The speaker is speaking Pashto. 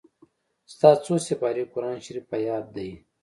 ستا څو سېپارې قرآن شريف په ياد دئ.